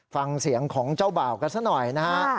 ฟังเสียงของเจ้าบ่ากันสักหน่อยนะครับ